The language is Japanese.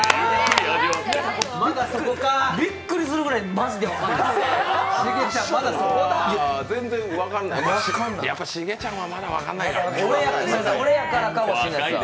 びっくりするぐらい、マジで分かんないですね。